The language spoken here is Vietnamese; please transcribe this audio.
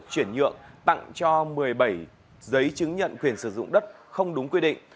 chuyển nhượng tặng cho một mươi bảy giấy chứng nhận quyền sử dụng đất không đúng quy định